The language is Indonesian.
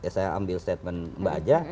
saya ambil statement mbak aja